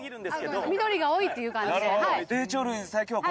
「緑が多いっていう感じで」